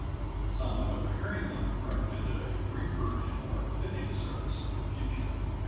Someone, overhearing them, recommended a briefer and more fitting service for the future.